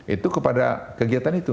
itu kepada kegiatan itu